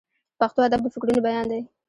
پښتو ادب د فکرونو بیان دی.